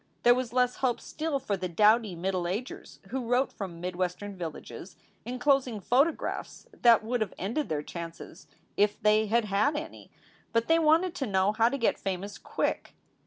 There was less hope still for the dowdy middle agers who wrote from mid Western villages inclosing photographs that would have ended their chances if they had had any; but they wanted to know how to get famous quick.